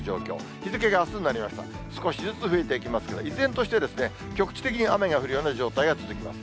日付があすになりました、少しずつ吹いていきますが、依然として局地的に雨が降るような状態が続きます。